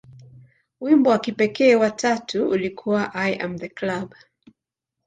Wimbo wa kipekee wa tatu ulikuwa "I Am The Club".